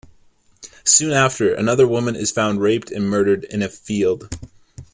Soon after, another woman is found raped and murdered in a field.